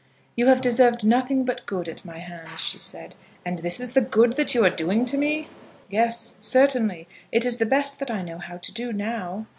"You have deserved nothing but good at my hands," she said. "And is this good that you are doing to me?" "Yes, certainly. It is the best that I know how to do now."